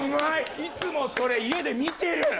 いつもそれ、家で見てる！